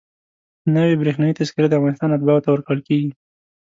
نوې برېښنایي تذکره د افغانستان اتباعو ته ورکول کېږي.